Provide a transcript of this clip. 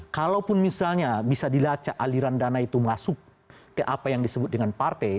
kalaupun misalnya bisa dilacak aliran dana itu masuk ke apa yang disebut dengan partai